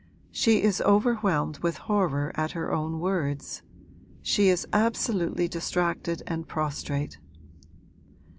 She is overwhelmed with horror at her own words; she is absolutely distracted and prostrate.'